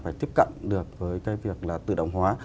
phải tiếp cận được với cái việc là tự động hóa